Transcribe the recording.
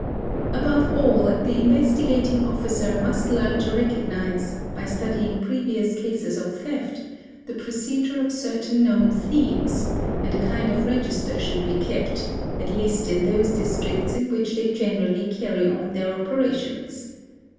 Above all the Investigating Officer must learn to recognise, by study ing previous cases of theft, the procedure of certain known thieves, and a kind of register should be kept, at least in those districts in which they _ generally carry on their operations.